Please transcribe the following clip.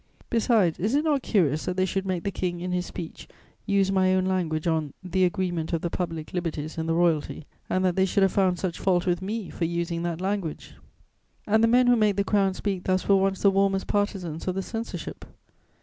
Besides, is it not curious that they should make the King, in his Speech, use my own language on 'the agreement of the public liberties and the Royalty,' and that they should have found such fault with me for using that language? And the men who make the Crown speak thus were once the warmest partizans of the censorship!